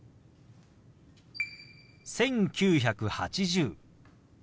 「１９８０」。